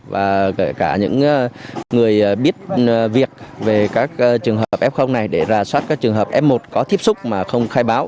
và kể cả những người biết việc về các trường hợp f này để rà soát các trường hợp f một có tiếp xúc mà không khai báo